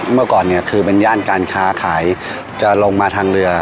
เมื่อก่อนเนี่ยคือเป็นย่านการค้าขายจะลงมาทางเรือ